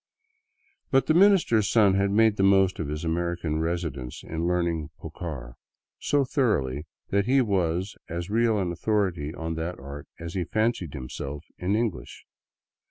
But the minister's son had made the most of his American residence in learning " pocar " so thoroughly that he was as real an authority on that art as he fancied himself in English.